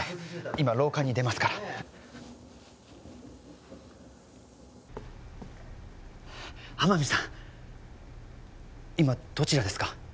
今廊下に出ますから天海さん今どちらですか？